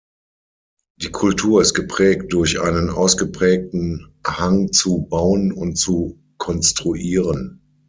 Die Kultur ist geprägt durch einen ausgeprägten Hang zu bauen und zu konstruieren.